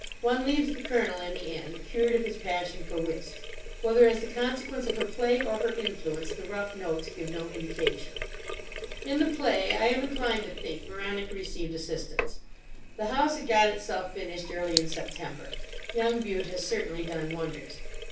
One leaves the Colonel, in the end, cured of his passion for whist. Whether as the consequence of her play or her influence the "Rough Notes" give no indication. In the play, I am inclined to think, Veronica received assistance. The house had got itself finished early in September. Young Bute has certainly done wonders.